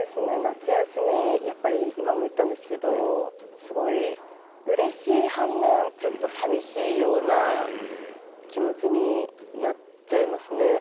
やっぱり今も言ったんですけどすごいうれしい反面ちょっとさみしいような気持ちになっちゃいますね。